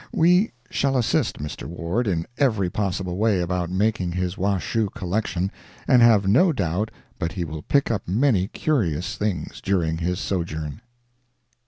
We shall assist Mr. Ward in every possible way about making his Washoe collection and have no doubt but he will pick up many curious things during his sojourn.